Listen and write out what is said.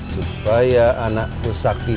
supaya anakku sakti